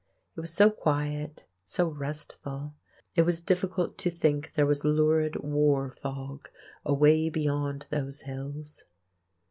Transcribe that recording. It was so quiet, so restful; it was difficult to think there was lurid war fog away beyond those hills.